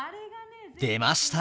出ました！